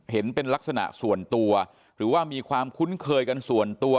เห็นเป็นลักษณะส่วนตัวหรือว่ามีความคุ้นเคยกันส่วนตัว